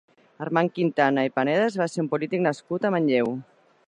Armand Quintana i Panedas va ser un polític nascut a Manlleu.